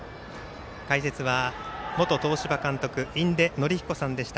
解説は、元東芝監督印出順彦さんでした。